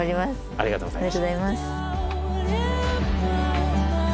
ありがとうございます。